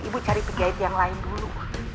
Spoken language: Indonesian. ibu cari penjahit yang lain dulu